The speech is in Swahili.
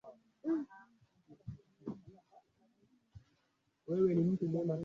Ana seli moja mara nyengine ikiwa na viini tete vingi ambavyo vinaweza kufanana pamoja